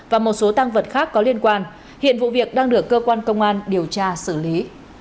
và một số tăng vật khác có liên quan hiện vụ việc đang được cơ quan công an điều tra xử lý